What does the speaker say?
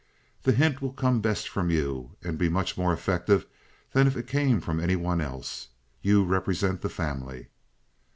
The hint will come best from you, and be much more effective than if it came from any one else. You represent the family."